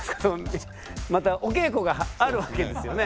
またお稽古があるわけですよね。